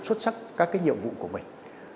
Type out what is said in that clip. xuất sắc các cái nhiệm vụ của mình